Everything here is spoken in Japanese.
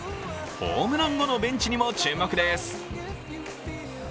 ホームラン後のベンチにも注目です。